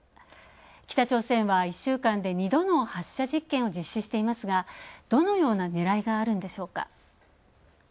北朝鮮は１週間で２度の発射実験を実施していますがどのようなねらいがあるんでしょうか。